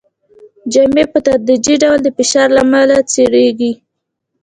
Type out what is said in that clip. جامې په تدریجي ډول د فشار له امله څیریږي.